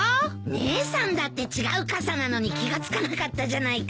姉さんだって違う傘なのに気が付かなかったじゃないか。